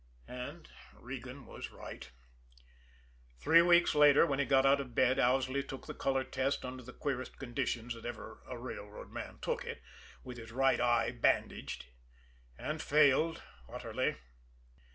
And Regan was right. Three weeks later, when he got out of bed, Owsley took the color test under the queerest conditions that ever a railroad man took it with his right eye bandaged and failed utterly.